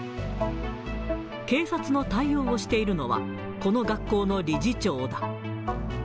警察の対応をしているのは、この学校の理事長だ。